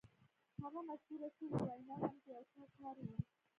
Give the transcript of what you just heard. هغه مشهوره شوې وینا هم د یو چا کار و